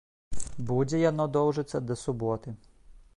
Будзе яно доўжыцца да суботы.